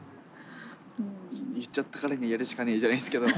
言っちゃったからにはやるしかねえじゃないですけど。